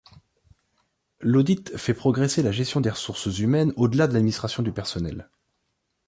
L'audit fait progresser la gestion des Ressources Humaines au-delà de l'administration du personnel.